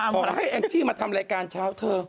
ขอให้แองจี้มาทำรายการเช้าเธอ